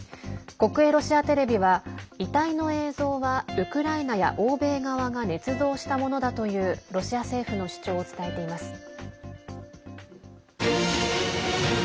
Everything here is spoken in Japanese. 国営ロシアテレビは遺体の映像はウクライナや欧米側がねつ造したものだというロシア政府の主張を伝えています。